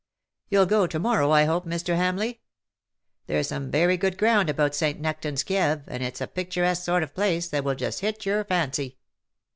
You^ll go to morrow, I hope, Mr. Hamleigh? There^s some very good ground about St. Nectan^s Kieve, and it^s a picturesque sort of place, that will just hit your fancy